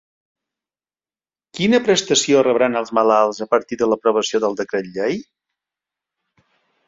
Quina prestació rebran els malalts a partir de l'aprovació del decret llei?